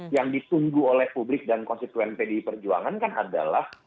yang ditunggu oleh publik dan konstituen pdi perjuangan kan adalah